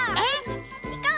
いこう！